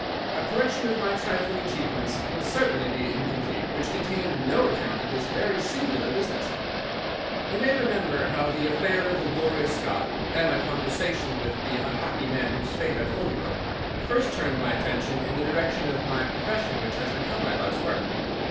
A collection of my trifling achievements would certainly be incomplete which contained no account of this very singular business. "You may remember how the affair of the Gloria Scott, and my conversation with the unhappy man whose fate I told you of, first turned my attention in the direction of the profession which has become my life's work.